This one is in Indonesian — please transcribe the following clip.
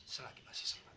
selagi masih sempat